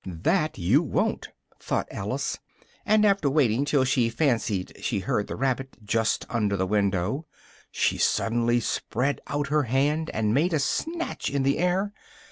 "That you wo'n't!" thought Alice, and, after waiting till she fancied she heard the rabbit, just under the window, she suddenly spread out her hand, and made a snatch in the air.